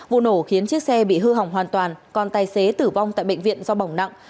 vụ nổ khiến chiếc xe bị hư hỏng hoàn toàn còn tài xế tử vong tại bệnh viện do bỏng nặng